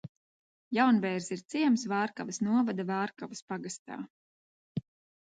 Jaunbērze ir ciems Vārkavas novada Vārkavas pagastā.